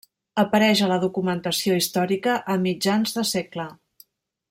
Apareix a la documentació històrica a mitjans de segle.